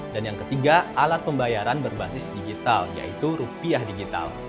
dan yang ketiga alat pembayaran berbasis digital yaitu rupiah digital